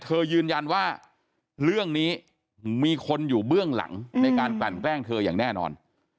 ยืนยันว่าเรื่องนี้มีคนอยู่เบื้องหลังในการกลั่นแกล้งเธออย่างแน่นอน